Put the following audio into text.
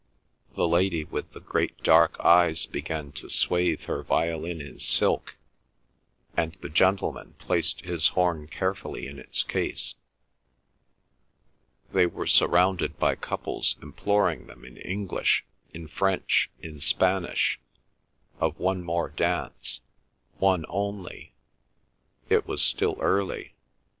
The lady with the great dark eyes began to swathe her violin in silk, and the gentleman placed his horn carefully in its case. They were surrounded by couples imploring them in English, in French, in Spanish, of one more dance, one only; it was still early.